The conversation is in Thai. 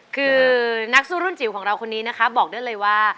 คือนักสู้รุ่นจิ๋วของเราคนนี้นะคะบอกได้เลยว่า